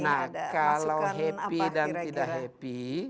nah kalau happy dan tidak happy